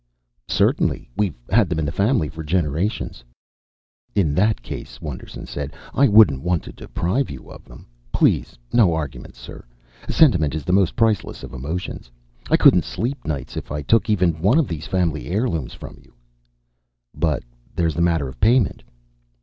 "Certainly. We've had them in the family for generations." "In that case," Wonderson said, "I wouldn't want to deprive you of them. Please, no arguments, sir! Sentiment is the most priceless of emotions. I couldn't sleep nights if I took even one of these family heirlooms from you." "But there's the matter of payment."